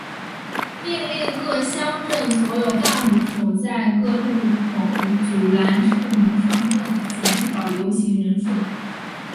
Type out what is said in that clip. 命令各乡镇所有干部守在各路口阻拦市民上镇减少游行人数。